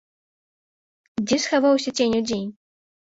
Дзе схаваўся цень удзень?